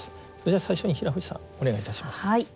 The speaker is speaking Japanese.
最初に平藤さんお願いいたします。